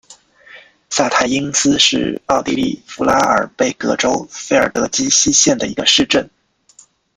萨泰因斯是奥地利福拉尔贝格州费尔德基希县的一个市镇。